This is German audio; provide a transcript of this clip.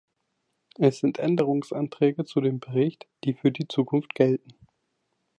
Es sind Änderungsanträge zu dem Bericht, die für die Zukunft gelten.